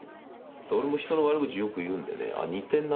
俺も人の悪口よく言うんでねあ似てんなと。